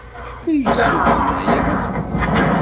Wi yessudfen aya?